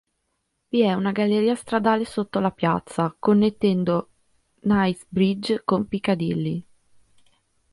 Vi è una galleria stradale sotto la piazza, connettendo Knightsbridge con Piccadilly.